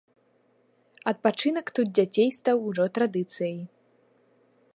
Адпачынак тут дзяцей стаў ужо традыцыяй.